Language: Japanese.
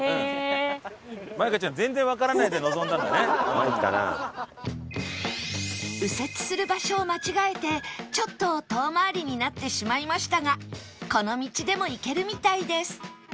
これじゃあ右折する場所を間違えてちょっと遠回りになってしまいましたがこの道でも行けるみたいです